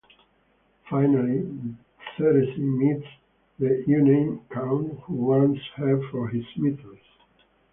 Finally, Therese meets the unnamed Count who wants her for his mistress.